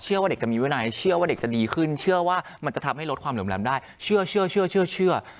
เชื่อว่าเด็กจะมีวินัยเชื่อว่าเด็กจะดีขึ้นเชื่อว่ามันจะทำให้ลดความเหลวมแรมได้เชื่อเชื่อเชื่อเชื่อเชื่อ